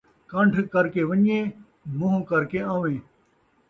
کنڈھ کرکے ون٘ڄیں، مٗنہ کرکے آویں